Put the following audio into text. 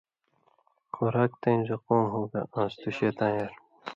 خوراک تئیں زقوم ہوگا آنٚس توۡ شیطاں یار